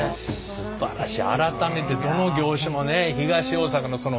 すばらしい。